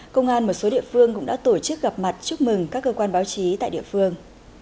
công an một số địa phương cũng đã tổ chức gặp mặt chúc mừng các cơ quan báo chí tại địa phương